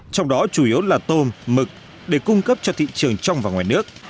trong đó chủ yếu là tôm mực để cung cấp cho thị trường trong và ngoài nước